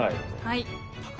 はい。